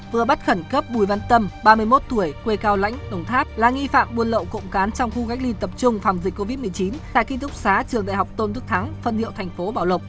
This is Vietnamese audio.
vừa bắt khẩn cấp bùi văn tâm ba mươi một tuổi quê cao lãnh đồng tháp là nghi phạm buôn lậu cộng cán trong khu cách ly tập trung phòng dịch covid một mươi chín tại kinh túc xá trường đại học tôn đức thắng phân hiệu thành phố bảo lộc